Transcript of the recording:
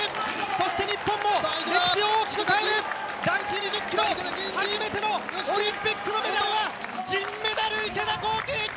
そして日本も歴史を大きく変える男子２０ｋｍ初めてのオリンピックのメダルは銀メダル、池田向希！